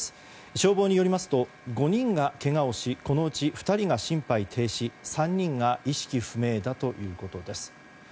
消防によりますと５人がけがをしこのうち２人が心肺停止３人が意識不明だということです。